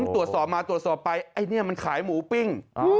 ตรวจสอบมาตรวจสอบไปไอ้นี่มันขายหมูปิ้ง